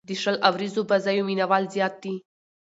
د شل اووريزو بازيو مینه وال زیات دي.